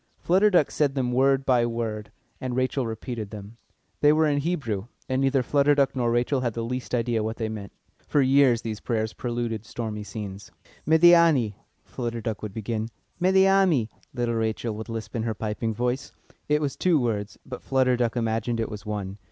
Flutter Duck said them word by word, and Rachel repeated them. They were in Hebrew, and neither Flutter Duck nor Rachel had the least idea what they meant. For years these prayers preluded stormy scenes. "Médiâni!" Flutter Duck would begin. "Médiâni!" little Rachel would lisp in her piping voice. It was two words, but Flutter Duck imagined it was one.